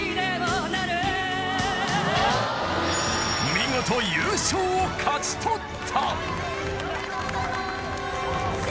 ［見事優勝を勝ち取った］